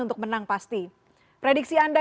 untuk menang pasti prediksi anda